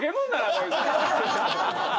こいつら。